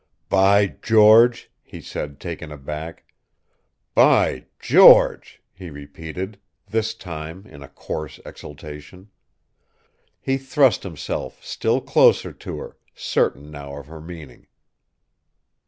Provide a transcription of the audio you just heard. "By George!" he said, taken aback. "By George!" he repeated, this time in a coarse exultation. He thrust himself still closer to her, certain now of her meaning.